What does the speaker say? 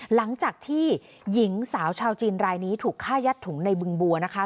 หลังจากที่หญิงสาวชาวจีนรายนี้ถูกฆ่ายัดถุงในบึงบัวนะคะ